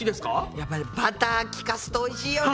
やっぱりバター利かすとおいしいよね。